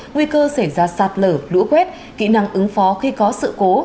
nguy cơ xảy ra sạt lở lũ quét kỹ năng ứng phó khi có sự cố